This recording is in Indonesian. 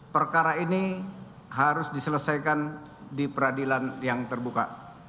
perkara ini harus diselesaikan di peradilan yang terbuka